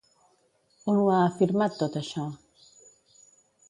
On ho ha afirmat tot això?